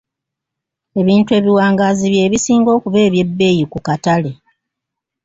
Ebintu ebiwangaazi bye bisinga okuba eby'ebbeeyi ku katale.